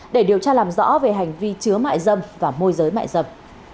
để điều tra làm rõ về hành vi chứa mại dâm và môi giới mại dâm